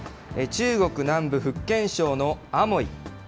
中国南部、福建省のアモイ。